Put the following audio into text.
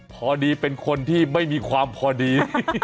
พอดีเป็นคนที่ไม่มีความพอดี